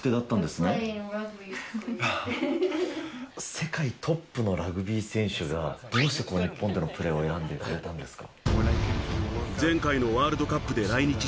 世界トップのラグビー選手がなぜ日本でのプレーを選んだんですか？